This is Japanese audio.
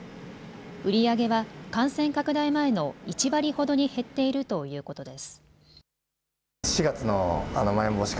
売り上げは感染拡大前の１割ほどに減っているということです。